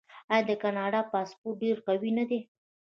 آیا د کاناډا پاسپورت ډیر قوي نه دی؟